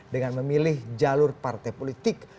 dengan memilih jalur partai politik